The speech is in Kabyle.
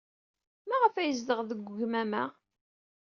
Maɣef ay yezdeɣ deg ugmam-a?